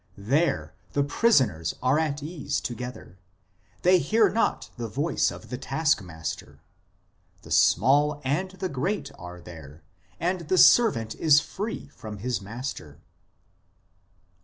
There the prisoners are at ease together ; they hear not the voice of the taskmaster. The small and the great are there ; and the servant is free from his master."